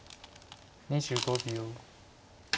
２５秒。